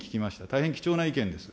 大変貴重な意見です。